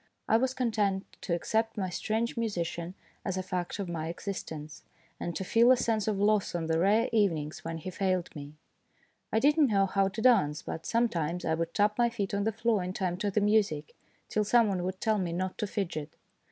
I was content to accept my strange musician as a fact of my existence, and to feel a sense of loss on the rare evenings when he failed me. I did not know how to dance, but sometimes I would tap my feet on the floor in time to the music, till some one would tell me not to fidget.